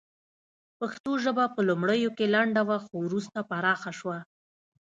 پښتو ژبه په لومړیو کې لنډه وه خو وروسته پراخه شوه